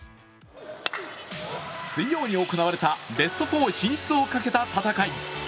水曜に行われたベスト４進出をかけた戦い。